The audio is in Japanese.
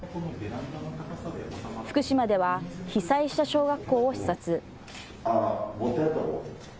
福島では、被災した小学校を視察。